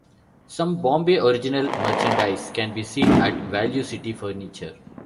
Some Bombay Original merchandise can be seen at Value City Furniture.